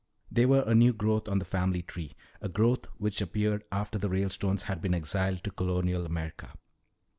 They were a new growth on the family tree, a growth which appeared after the Ralestones had been exiled to colonial America.